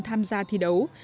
tham gia thi đấu